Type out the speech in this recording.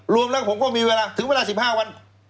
รวมแล้วผมก็มีเวลาถึงเวลา๑๕วัน